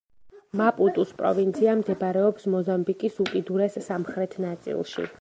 მაპუტუს პროვინცია მდებარეობს მოზამბიკის უკიდურეს სამხრეთ ნაწილში.